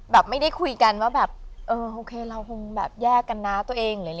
แบบไม่ได้คุยกันว่าโอเคเราคงแยกกันนะตัวเอง